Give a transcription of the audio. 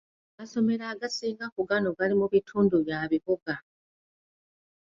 Amasomero agasinga ku gano gali mu bitundu bya bibuga.